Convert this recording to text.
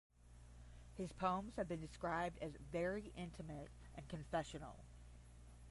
His poems have been described as "very intimate and confessional".